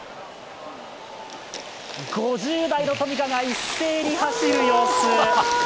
５０台のトミカが一斉に走る様子。